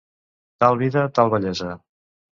Tal vida, tal vellesa.